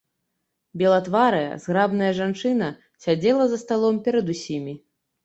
Белатварая, зграбная жанчына сядзела за сталом перад усімі.